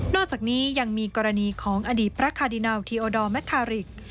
อกจากนี้ยังมีกรณีของอดีตพระคาดินาวทีโอดอร์แมคคาริก